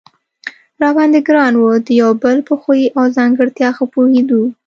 را باندې ګران و، د یو او بل په خوی او ځانګړتیا ښه پوهېدو.